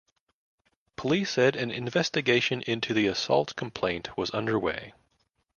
Police said an investigation into the assault complaint was underway.